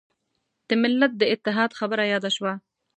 د ملت د اتحاد خبره یاده شوه.